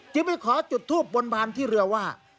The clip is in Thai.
จึงไปขอจุดทูบบนบานที่เรือว่า